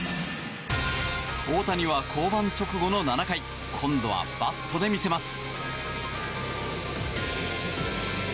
大谷は降板直後の７回今度はバットで魅せます。